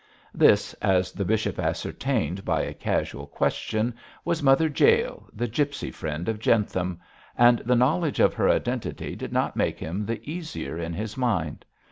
This, as the bishop ascertained by a casual question, was Mother Jael, the gipsy friend of Jentham, and the knowledge of her identity did not make him the easier in his mind.